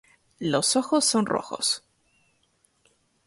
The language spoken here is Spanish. Los ojos son rojos.